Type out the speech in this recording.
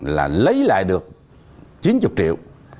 là lấy lại được chín mươi triệu